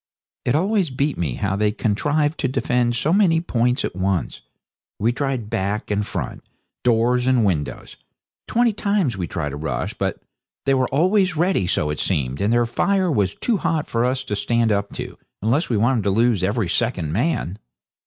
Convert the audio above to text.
It always beat me how they contrived to defend so many points at once. We tried back and front, doors and windows. Twenty times we tried a rush, but they were always ready so it seemed and their fire was too hot for us to stand up to, unless we wanted to lose every second man.